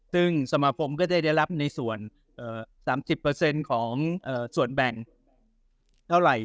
ซึ่งสมาคมก็จะได้รับในส่วน๓๐ของส่วนแบ่งเท่าไหร่